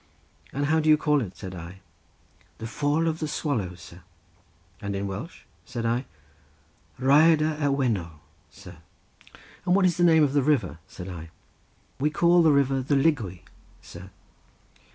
"And how do you call it?" said I. "The Fall of the Swallow, sir." "And in Welsh?" said I. "Rhaiadr y Wennol, sir." "And what is the name of the river?" said I. "We call the river the Lygwy, sir."